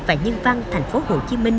và nhân văn thành phố hồ chí minh